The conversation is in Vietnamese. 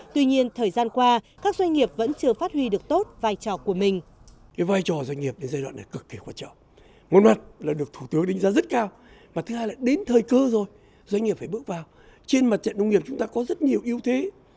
tuy nhiên thời gian qua các doanh nghiệp vẫn chưa phát huy được tốt vai trò của mình